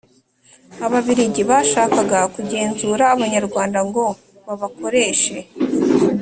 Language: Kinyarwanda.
Ababiligi bashakaga kugenzura abanyarwanda ngo babakoreshe